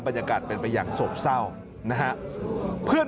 บรรยากาศเป็นไปอย่างโศกเศร้านะฮะ